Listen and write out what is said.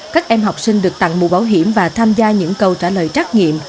các em học sinh được tặng mũ bảo hiểm và tham gia những câu trả lời trắc nghiệm